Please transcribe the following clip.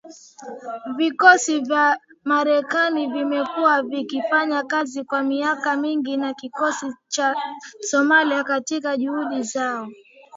Vikosi vya Marekani vimekuwa vikifanya kazi kwa miaka mingi na vikosi vya Somalia katika juhudi zao